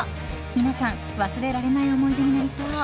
皆さん忘れられない思い出になりそう。